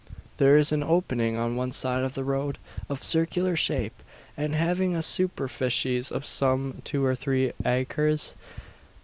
There is an opening on one side of the road, of circular shape, and having a superficies of some two or three acres.